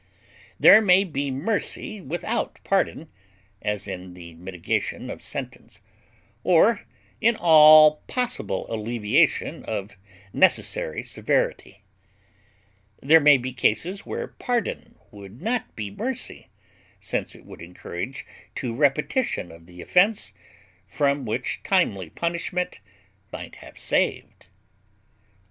There may be mercy without pardon, as in the mitigation of sentence, or in all possible alleviation of necessary severity; there may be cases where pardon would not be mercy, since it would encourage to repetition of the offense, from which timely punishment might have saved.